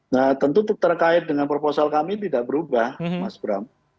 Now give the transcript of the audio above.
nah tentu terkait dengan proposal kami tidak berubah mas bram